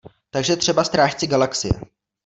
Takže třeba Strážci galaxie.